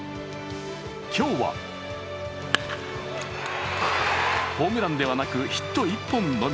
今日はホームランではなくヒット１本のみ。